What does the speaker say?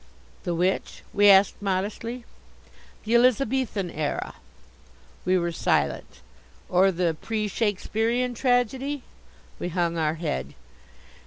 "The which?" we asked modestly. "The Elizabethan era?" We were silent. "Or the pre Shakespearean tragedy?" We hung our head.